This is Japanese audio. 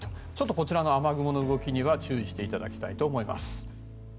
こちらの雨雲の動きには注意していただきたいと思います。